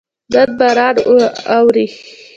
نن باران اوري